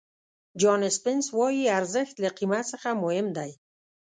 جان سپینس وایي ارزښت له قیمت څخه مهم دی.